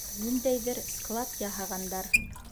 Ниндәйҙер склад яһағандар.